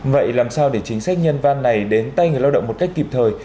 vậy làm sao để chính sách nhân văn này đến tay người lao động một cách kịp thời